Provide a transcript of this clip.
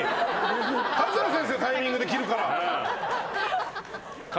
桂先生のタイミングで切るから。